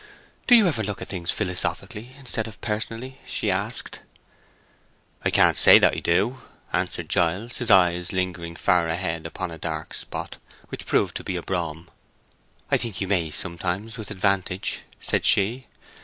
"Do you ever look at things philosophically instead of personally?" she asked. "I can't say that I do," answered Giles, his eyes lingering far ahead upon a dark spot, which proved to be a brougham. "I think you may, sometimes, with advantage," said she.